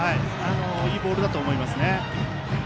いいボールだと思いますね。